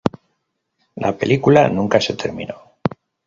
La película nunca se terminó.